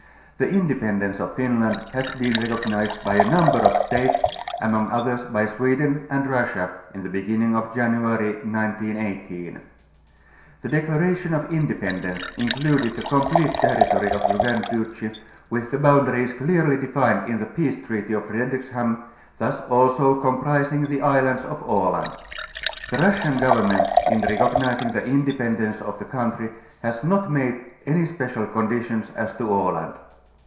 The independence of Finland has been recognized by a number of States, among others by Sweden and Russia (in the beginning of January 1918). The declaration of independence included the com plete territory of the Grand Duchy, with the boundaries clearly defined in the peace treaty of Fredrikshamn, thus also comprising the islands of Aland. The Russian govern ment in recognizing the independence of the countrj', has not made any special conditions as to Aland.